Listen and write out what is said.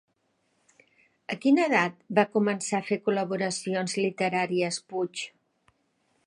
A quina edat va començar a fer col·laboracions literàries Puig?